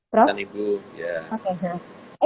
pesan ibu ya